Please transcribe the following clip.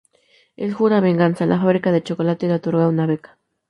Él jura venganza; la fábrica de chocolate le otorga una beca.